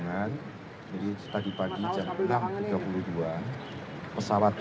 teman teman jadi sebagaimana disampaikan oleh knkt dan kementerian perhubungan